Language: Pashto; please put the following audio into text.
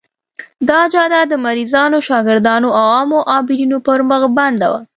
دا جاده د مریضانو، شاګردانو او عامو عابرینو پر مخ بنده وه.